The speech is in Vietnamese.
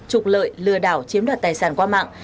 trục lợi lừa đảo chiếm đoạt tài sản qua mạng